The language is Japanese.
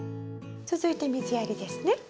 続いて水やりですね？